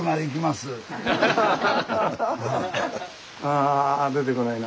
あ出てこないな。